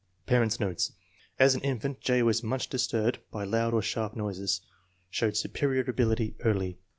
Parents 9 notes. As an infant J. was much disturbed by loud or sharp noises. Showed superior ability early.